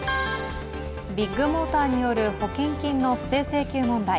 ビッグモーターによる保険金の不正請求問題。